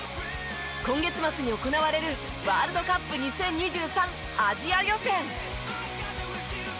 今月末に行われるワールドカップ２０２３アジア予選。